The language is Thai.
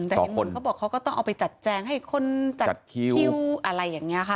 อืมเขาบอกเขาก็ต้องเอาไปจัดแจงให้คนจัดคิ้วอะไรอย่างเงี้ยค่ะ